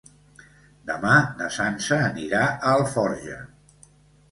Demà na Sança anirà a Alforja.